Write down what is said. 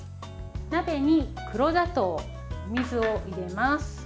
鍋に黒砂糖、お水を入れます。